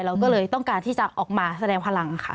เราก็เลยต้องการที่จะออกมาแสดงพลังค่ะ